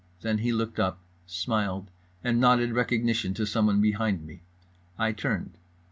Then he looked up, smiled and nodded recognition to someone behind me. I turned.